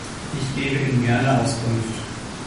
Ich gebe ihm gerne Auskunft.